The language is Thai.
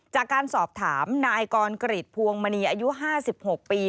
จากการสอบถามนายกรกริจภวงมณีอายุ๕๖ปี